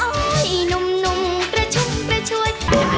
โอ๊ยนุ่มกระชุ่มกระชวย